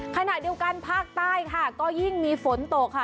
ขณะเดียวกันภาคใต้ค่ะก็ยิ่งมีฝนตกค่ะ